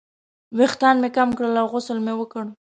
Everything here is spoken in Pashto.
ویښتان مې کم کړل او غسل مې وکړ.